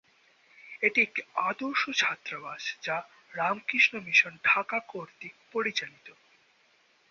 এটি একটি আদর্শ ছাত্রাবাস যা রামকৃষ্ণ মিশন, ঢাকা কর্তৃক পরিচালিত।